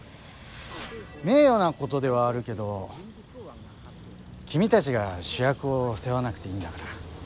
名誉なことではあるけど君たちが主役を背負わなくていいんだから。